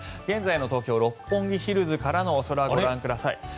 現在の東京・六本木ヒルズからのお空ご覧ください。